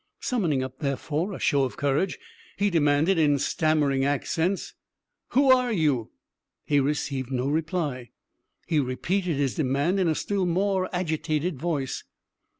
Summoning up, therefore, a show of courage, he demanded in stammering accents "Who are you?" He received no reply. He repeated his demand in a still more agitated voice.